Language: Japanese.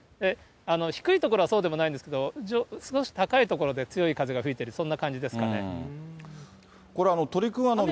低い所はそうでもないんですけれども、少し高い所で強い風が吹いてる、これ、鳥くん。